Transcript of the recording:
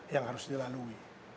yang harus dilalui